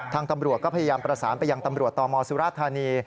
ทางตำรวจก็พยายามประสานไปยังตำรวจตมสุราธานี